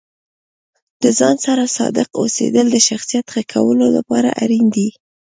د ځان سره صادق اوسیدل د شخصیت ښه کولو لپاره اړین دي.